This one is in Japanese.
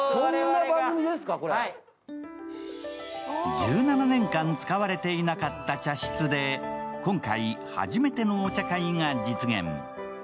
１７年間、使われていなかった茶室で今回、初めてのお茶会が実現。